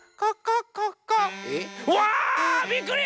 うわびっくり！